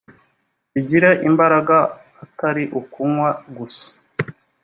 bigire imbaraga atari ukunywa gusa